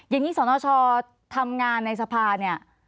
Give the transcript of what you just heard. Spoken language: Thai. อย่างนี้สนชทำงานในสภาเนี่ย